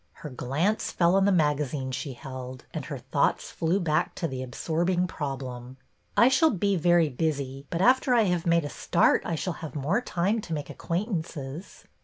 Her glance fell on the magazine she held, and her thoughts flew back to the ab sorbing problem. I shall be very busy, but after I have made a start I shall have more time to make acquaintances."